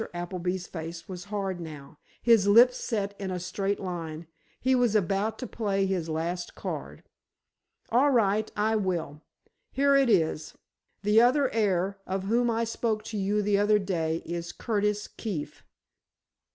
Appleby's face was hard now, his lips set in a straight line; he was about to play his last card. "All right, I will. Here it is. The other heir, of whom I spoke to you the other day, is Curtis Keefe."